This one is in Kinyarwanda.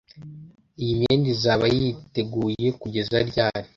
Iyi myenda izaba yiteguye kugeza ryari?